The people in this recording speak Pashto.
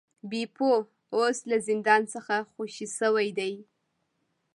بیپو اوس له زندان څخه خوشې شوی دی.